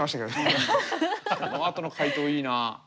このあとの回答いいなあ。